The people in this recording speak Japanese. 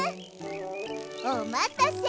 おまたせ。